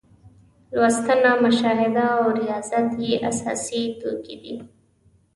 لوستنه، مشاهده او ریاضت یې اساسي توکي دي.